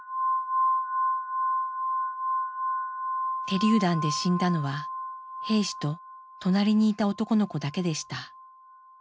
手りゅう弾で死んだのは兵士と隣にいた男の子だけでした。